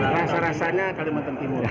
rasa rasanya kalimantan timur